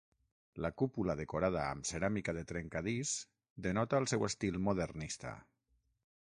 La cúpula decorada amb ceràmica de trencadís denota el seu estil modernista.